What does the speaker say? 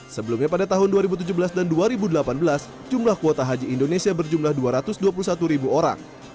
sebelumnya pada tahun dua ribu tujuh belas dan dua ribu delapan belas jumlah kuota haji indonesia berjumlah dua ratus dua puluh satu ribu orang